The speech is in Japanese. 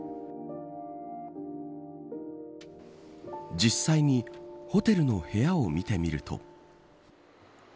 実際にホテルの部屋を見てみると。